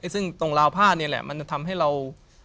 ซึ่งตรงราวผ้านี่แหละมันจะทำให้เรา